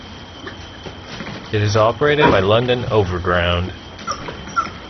It is operated by London Overground.